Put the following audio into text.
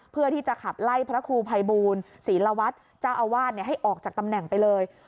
เพื่อที่จะขับไล่พระครูภัยบูลศีลวัตรเจ้าอาวาสให้ออกจากตำแหน่งไปเลย